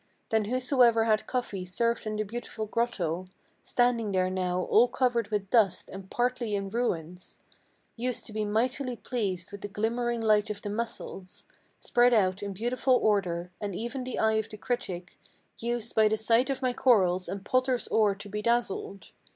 Then whosoever had coffee served in the beautiful grotto, Standing there now all covered with dust and Partly in ruins, Used to be mightily pleased with the glimmering light of the mussels Spread out in beautiful order; and even the eye of the critic Used by the sight of my corals and potter's ore to be dazzled.